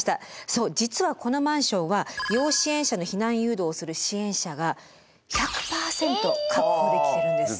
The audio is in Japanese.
そう実はこのマンションは要支援者の避難誘導をする支援者が１００パーセント確保できてるんです。